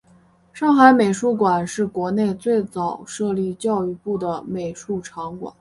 上海美术馆是国内最早设立教育部的美术场馆。